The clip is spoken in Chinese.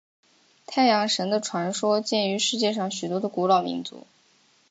太阳神的传说见于世界上许多的古老民族。